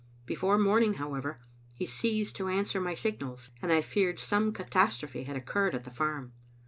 Before morning, however, he ceased to answer my sig nals, and I feared some catastrophe had occurred at the farm.